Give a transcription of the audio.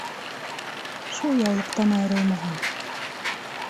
Шул яулыҡтан айырылмаған.